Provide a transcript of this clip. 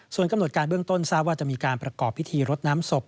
ส่วนกำหนดการเบื้องต้นทราบว่าจะมีการประกอบพิธีรดน้ำศพ